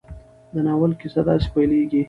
د ناول کیسه داسې پيلېږي.